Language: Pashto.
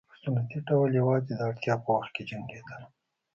په سنتي ډول یوازې د اړتیا په وخت کې جنګېدل.